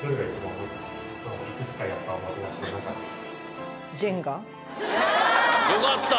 今日いくつかやったおもてなしの中でよかった！